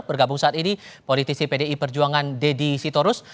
bergabung saat ini politisi pdi perjuangan deddy sitorus